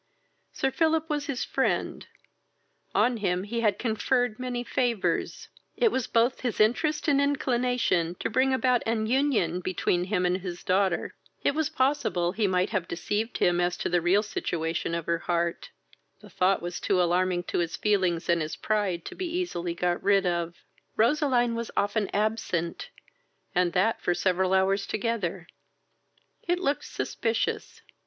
Sir Philip was his friend; on him he had conferred many favours: it was both his interest and inclination to bring about an union between him and his daughter. It was possible he might have deceived him as to the real situation of her heart; the thought was too alarming to his feelings and his pride to be easily got rid of. Roseline was often absent, and that for several hours together: it looked suspicious.